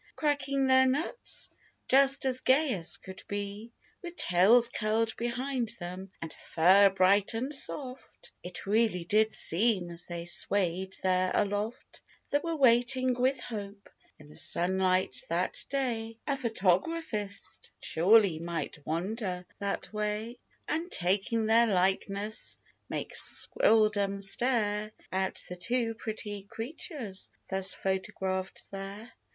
Cracking their nuts, just as gay as could be; With tails curled behind them, and fur bright and soft, It really did seem as they swayed there aloft, They were waiting with hope in the sunlight that day, A photographist surely might wander that way — And taking their likeness, make squirreldom stare At the two pretty creatures thus photographed there.